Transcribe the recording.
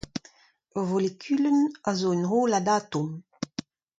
Ur volekulenn zo un hollad atom.